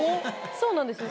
そうなんですよ。